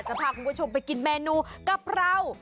จะพาคุณผู้ชมไปกินเมนูกะเพรา